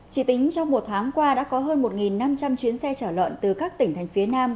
chỉ tính trong một tháng qua đã có hơn một năm trăm linh chuyến xe trở lợn từ các tỉnh thành phía nam